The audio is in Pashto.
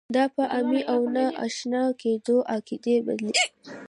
دا په عامې او نه استثنا کېدونکې قاعدې بدلیږي.